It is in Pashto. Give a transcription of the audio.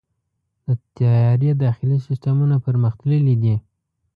د طیارې داخلي سیستمونه پرمختللي دي.